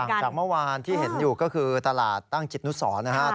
ต่างจากเมื่อวานที่เห็นอยู่ก็คือตลาดตั้งจิตนุษร